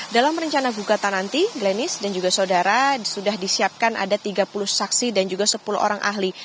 dalam rencana gugatan nanti glenis dan juga saudara sudah disiapkan ada tiga puluh saksi dan juga sepuluh orang ahli